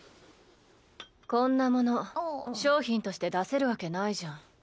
こんなもの商品として出せるわけないじゃん。